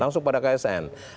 langsung kepada ksn